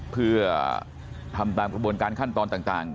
เพื่อทำตามกระบวนการขั้นตอนต่าง